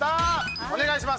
お願いします